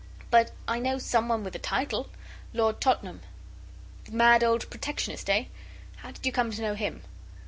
'But I know some one with a title Lord Tottenham.' 'The mad old Protectionist, eh? How did you come to know him?